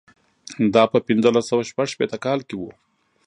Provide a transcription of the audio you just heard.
دا په پنځلس سوه شپږ شپېته کال کې و.